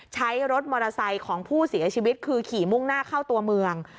ใช้รถมอเตอร์ไซค์ของผู้เสียชีวิตคือขี่มุ่งหน้าเข้าตัวเมือง